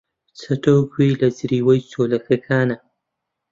چەتۆ گوێی لە جریوەی چۆلەکەکانە.